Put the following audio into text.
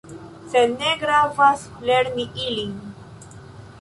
Sed ne gravas lerni ilin.